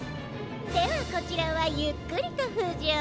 ではこちらはゆっくりとふじょう。